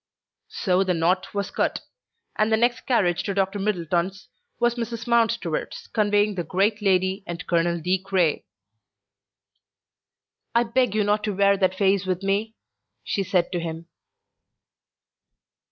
So the knot was cut. And the next carriage to Dr. Middleton's was Mrs. Mountstuart's, conveying the great lady and Colonel De Craye. "I beg you not to wear that face with me," she said to him.